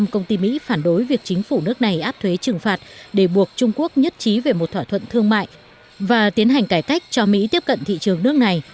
một mươi công ty mỹ phản đối việc chính phủ nước này áp thuế trừng phạt để buộc trung quốc nhất trí về một thỏa thuận thương mại và tiến hành cải cách cho mỹ tiếp cận thị trường nước này